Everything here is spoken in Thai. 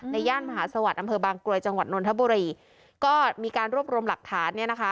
ย่านมหาสวัสดิ์อำเภอบางกรวยจังหวัดนนทบุรีก็มีการรวบรวมหลักฐานเนี่ยนะคะ